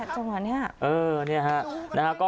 จงเหรอเนี่ย